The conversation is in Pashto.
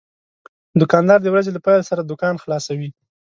دوکاندار د ورځې له پېل سره دوکان خلاصوي.